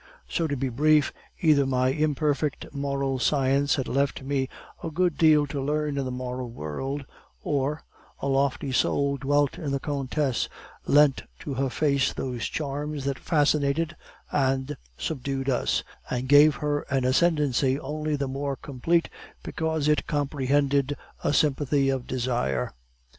"So, to be brief, either my imperfect moral science had left me a good deal to learn in the moral world, or a lofty soul dwelt in the countess, lent to her face those charms that fascinated and subdued us, and gave her an ascendency only the more complete because it comprehended a sympathy of desire.